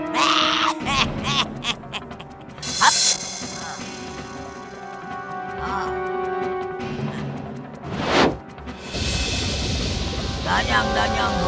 dan yang dan yangmu